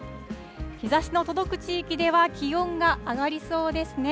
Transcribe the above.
日ざしの届く地域では気温が上がりそうですね。